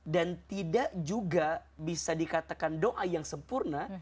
dan tidak juga bisa dikatakan doa yang sempurna